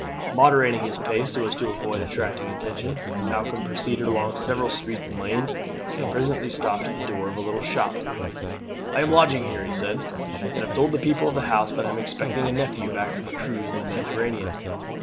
Moderating his pace so as to avoid attracting attention, Malcolm proceeded along several streets and lanes, and presently stopped at the door of a little shop. "I am lodging here," he said, "and have told the people of the house that I am expecting a nephew back from a cruise in the Mediterranean."